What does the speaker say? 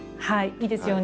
いいですよね。